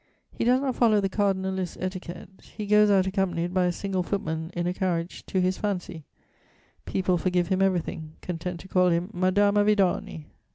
He does not follow the cardinalist etiquette; he goes out accompanied by a single footman in a carriage to his fancy: people forgive him everything, content to call him Madama Vidoni.